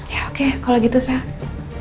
ya oke kalau gitu sehat